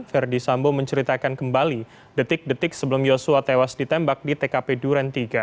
verdi sambo menceritakan kembali detik detik sebelum yosua tewas ditembak di tkp duren tiga